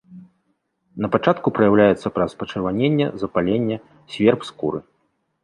Напачатку праяўляецца праз пачырваненне, запаленне, сверб скуры.